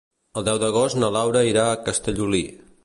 El deu d'agost na Laura irà a Castellolí.